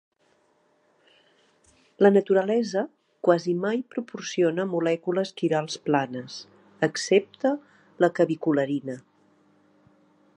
La naturalesa quasi mai proporciona molècules quirals planes, excepte la cavicularina.